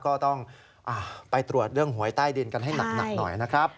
ก็ต้องไปตรวจเรื่องหวยใต้ดินกันให้หนักหน่อยนะครับ